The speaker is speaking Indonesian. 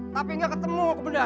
tapi nggak ketemu komandan